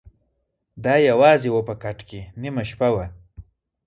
د ا یوازي وه په کټ کي نیمه شپه وه